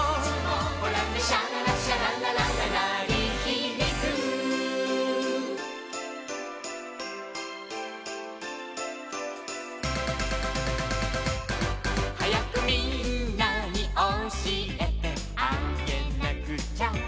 「ほらねシャララシャララララなりひびく」「はやくみんなにおしえてあげなくちゃ」